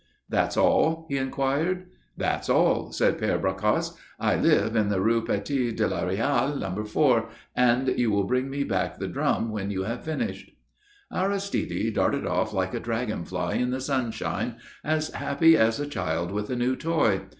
"That's all?" he enquired. "That's all," said Père Bracasse. "I live in the Rue Petite de la Réal, No. 4, and you will bring me back the drum when you have finished." Aristide darted off like a dragon fly in the sunshine, as happy as a child with a new toy.